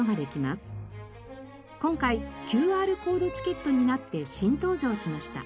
今回ＱＲコードチケットになって新登場しました。